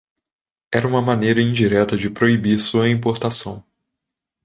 Era uma maneira indireta de proibir sua importação.